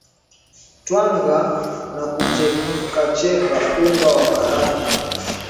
twanga na kuchekecha unga wa karanga